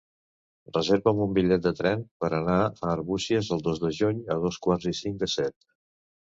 Reserva'm un bitllet de tren per anar a Arbúcies el dos de juny a dos quarts i cinc de set.